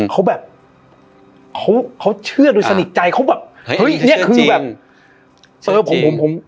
เขาแบบเขาเขาเชื่อโดยสนิทใจเขาแบบเฮ้ยเนี้ยคือแบบเออผมผม